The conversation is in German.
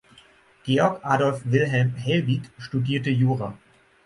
Georg Adolf Wilhelm Helbig studierte Jura.